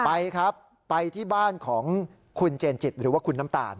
ไปครับไปที่บ้านของคุณเจนจิตหรือว่าคุณน้ำตาล